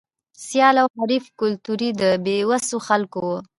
سیال او حریف کلتور د بې وسو خلکو و.